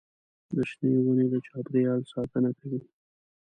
د شنې ونې د چاپېریال ساتنه کوي.